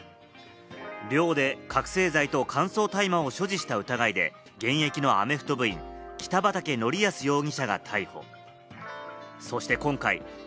寮で覚醒剤と乾燥大麻を所持した疑いで現役のアメフト部員、北畠成文容疑者が逮捕。